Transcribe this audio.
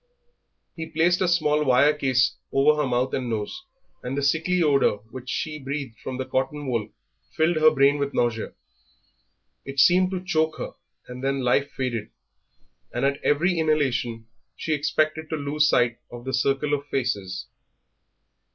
He placed a small wire case over her mouth and nose, and the sickly odour which she breathed from the cotton wool filled her brain with nausea; it seemed to choke her, and then life faded, and at every inhalation she expected to lose sight of the circle of faces.